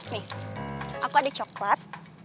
nih aku ada coklat